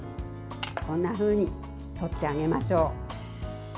こんなふうに取ってあげましょう。